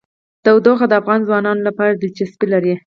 تودوخه د افغان ځوانانو لپاره دلچسپي لري.